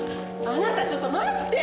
あなたちょっと待って！